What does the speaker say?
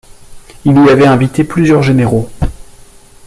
Il y avait invité plusieurs généraux.